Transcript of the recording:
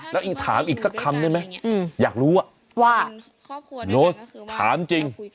แล้วอีถามอีกสักคำได้ไหมอยากรู้ว่าโน้ตถามจริง